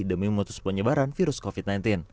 demi memutus penyebaran virus covid sembilan belas